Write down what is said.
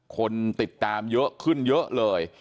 คนติดตามเยอะขึ้นเยอะเลย